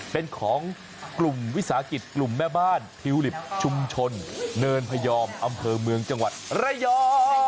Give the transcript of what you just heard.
เป็นของกลุ่มวิสาหกิจกลุ่มแม่บ้านทิวลิปชุมชนเนินพยอมอำเภอเมืองจังหวัดระยอง